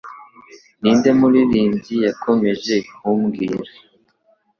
Ninde Muririmbyi Yakomeje kumbwira